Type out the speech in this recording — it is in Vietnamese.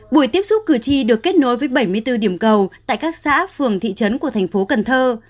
buổi tiếp xúc cử tri được kết nối với bảy mươi bốn điểm cầu tại các xã phường thị trấn của thành phố cần thơ